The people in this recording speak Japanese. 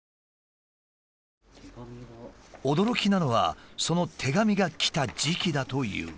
驚きなのはその手紙が来た時期だという。